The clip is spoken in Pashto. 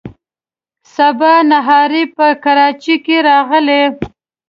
سبا نهاری په کراچۍ کې راغی.